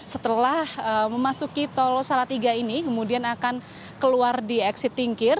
setelah memasuki tol salatiga ini kemudian akan keluar di eksit tingkir